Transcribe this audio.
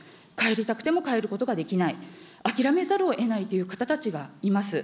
帰りたくても帰ることができない、諦めざるをえないという方たちがいます。